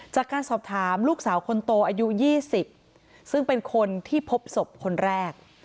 จากการสอบถามลูกสาวคนโตอายุ๒๐ซึ่งเป็นคนที่พบศพคนแรก